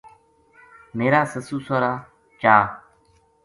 میرا سسُو سوہرا چا